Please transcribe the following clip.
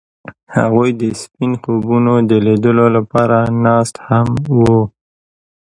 هغوی د سپین خوبونو د لیدلو لپاره ناست هم وو.